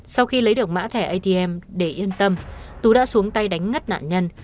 sau khi lấy được mã thẻ atm để yên tâm tú đã xuống tay đánh ngắt nạn nhân